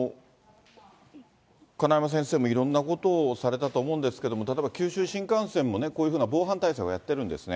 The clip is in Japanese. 金山先生もいろんなことをされたと思うんですけども、例えば九州新幹線もね、こういうふうな防犯対策をやってるんですね。